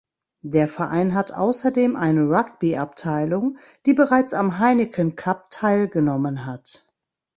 Der Verein hat außerdem eine Rugbyabteilung, die bereits am Heineken Cup teilgenommen hat.